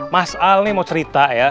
mas al nih mau cerita ya